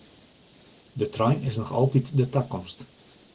De trein is noch altyd de takomst.